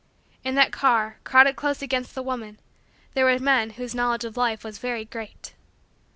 In that car, crowded close against the woman, there were men whose knowledge of life was very great.